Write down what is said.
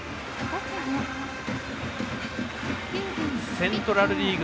セントラル・リーグ